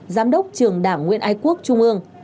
giám đốc trường đảng nguyên ai quốc trung ương